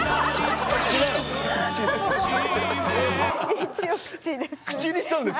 一応口です。